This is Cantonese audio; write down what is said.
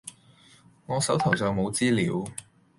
我手頭上冇資料